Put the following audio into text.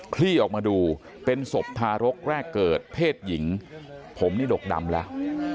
ลี่ออกมาดูเป็นศพทารกแรกเกิดเพศหญิงผมนี่ดกดำแล้ว